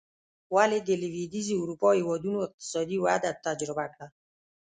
ولې د لوېدیځې اروپا هېوادونو اقتصادي وده تجربه کړه.